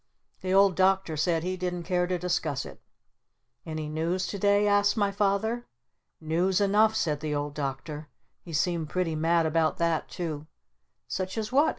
The Old Doctor said he didn't care to discuss it. "Any news to day?" asked my Father. "News enough!" said the Old Doctor. He seemed pretty mad about that too! "Such as what?"